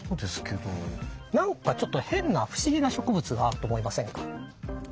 何かちょっと変な不思議な植物があると思いませんか。